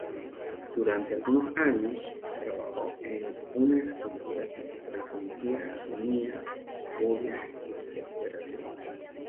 Durante algunos años, trabajó en una escultura que transmitía agonía, furia y desesperación.